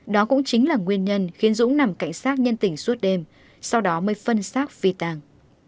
đó cũng chính là nguyên nhân khiến dũ nằm cạnh xác nhân tình suốt đêm sau đó mới phân xác phi tàng